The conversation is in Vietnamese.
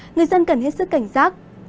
người dân cần hết sức cảnh sát